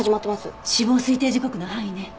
死亡推定時刻の範囲ね。